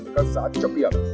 các xã chấp điểm